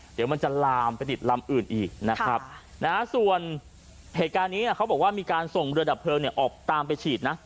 เดี๋ยวมันจะลามไปติดลำอื่นอีกนะครับนะฮะส่วนเหตุการณ์นี้เขาบอกว่ามีการส่งเรือดับเพลิงเนี่ยออกตามไปฉีดนะ